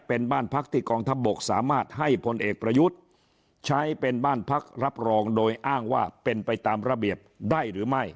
เป็นบ้านพักที่กองทัพบกสามารถให้พลเอกประยุทธ์ใช้เป็นบ้านพักรับรองโดยอ้างว่าเป็นไปตามระเบียบได้หรือไม่